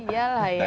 iya lah ya